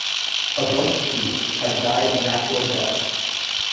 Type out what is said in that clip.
A bush chief had died a natural death.